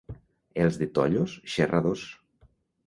Els de Tollos, xerradors.